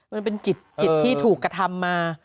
มันเป็นจิตที่ถูกกระทำมา